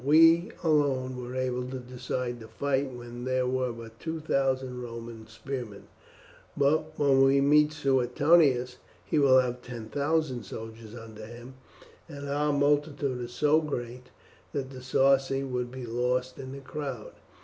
We alone were able to decide the fight when there were but two thousand Roman spearmen; but when we meet Suetonius, he will have ten thousand soldiers under him, and our multitude is so great that the Sarci would be lost in the crowd.